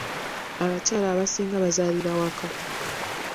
Abakyala abasinga bazaalira waka.